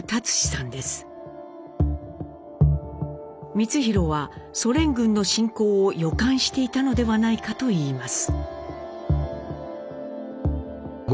光宏はソ連軍の侵攻を予感していたのではないかといいます。